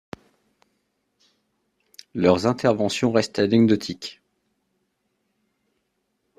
Leurs interventions restent anecdotiques.